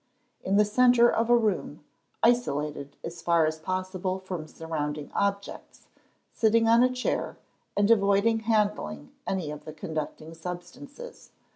_ In the centre of a room, isolated as far as possible from surrounding objects; sitting on a chair, and avoiding handling any of the conducting substances.